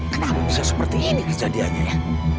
kenapa bisa seperti ini kejadiannya ya